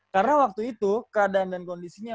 karena waktu itu keadaan dan kondisinya